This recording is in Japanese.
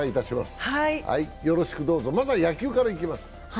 まずは野球からいきます。